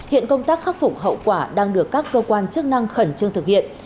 hiện công tác khắc phục hậu quả đang được các cơ quan chức năng khẩn trương thực hiện